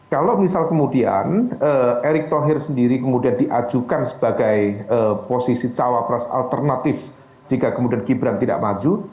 kalau misal kemudian erick thohir sendiri kemudian diajukan sebagai posisi cawapres alternatif jika kemudian gibran tidak maju